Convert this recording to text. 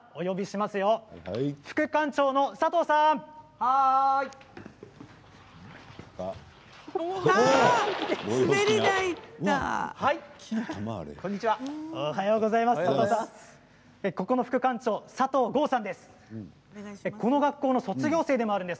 ここの副館長の佐藤剛さんです。